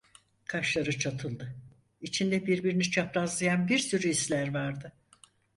Kaşları çatıldı, içinde birbirini çaprazlayan bir sürü hisler vardı.